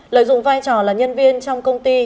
lợi dụng vai trò là nhân viên trong công ty